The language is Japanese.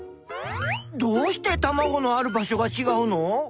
どうしてたまごのある場所がちがうの？